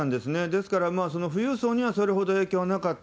ですから富裕層にはそれほど影響はなかった。